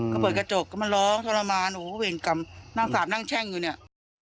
ก็เปิดกระจกก็มาร้องทรมานโอ้โหเวรกรรมนั่งสาบนั่งแช่งอยู่เนี่ย